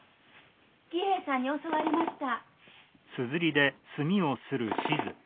儀平さんに教わりました。